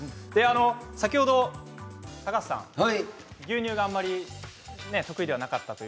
先ほど、高橋さん牛乳があんまり得意ではなかったと。